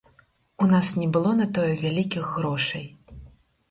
У нас не было на тое вялікіх грошай.